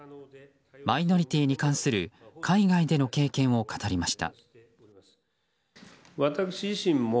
マイノリティーに関する海外での経験を語りました。